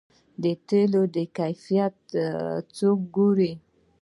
د تیلو کیفیت څوک ګوري؟